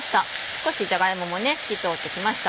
少しじゃが芋も透き通ってきました。